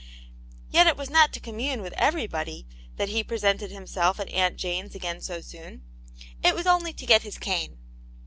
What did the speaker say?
Yet it was not to commune with everybody that he presented himself at Aunt Jane's again so soon ; it was only to get his cane.